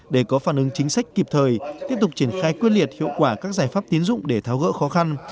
để có phản ứng chính sách kịp thời tiếp tục triển khai quyết liệt hiệu quả các giải pháp tiến dụng để tháo gỡ khó khăn